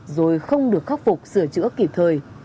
rồi không được khắc phục sửa chữa kịp thời